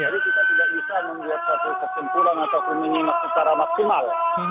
jadi kita tidak bisa membuat satu kesimpulan atau menyimak secara maksimal